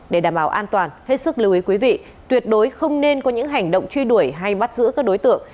để đảm bảo an toàn hết sức lưu ý quý vị tuyệt đối không nên có những hành động truy đuổi hay bắt giữ các đối tượng